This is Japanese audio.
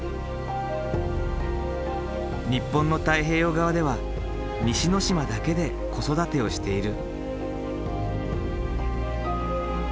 日本の太平洋側では西之島だけで子育てをしている。